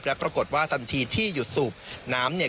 และปรากฏว่าทันทีที่หยุดสูบน้ำเนี่ย